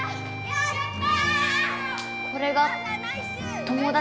やった！